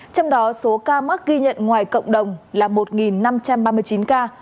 trong đó số ca mắc ghi nhận ngoài cộng đồng là một năm trăm ba mươi chín ca